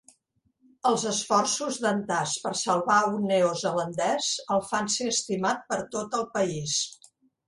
Els esforços d"en Tas per salvar un neozelandès el fan ser estimat per tot el país.